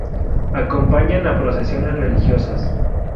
Acompañan a procesiones religiosas.